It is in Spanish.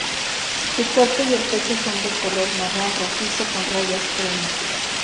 Su cuerpo y el pecho son de color marrón rojizo con rayas crema.